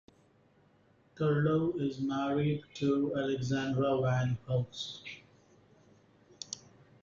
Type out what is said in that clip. Terlouw is married to Alexandra van Hulst.